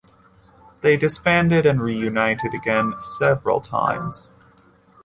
They disbanded and re-united again several times.